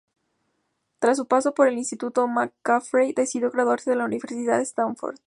Tras su paso por el instituto, McCaffrey decidió graduarse en la Universidad Stanford.